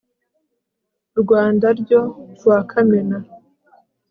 rwanda ryo kuwa kamena